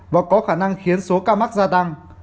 và có khả năng khiến số ca mắc gia tăng